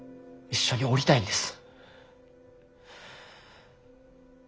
一緒におりたいんです。